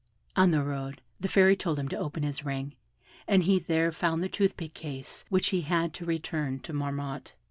On the road, the Fairy told him to open his ring, and he there found the toothpick case which he had to return to Marmotte.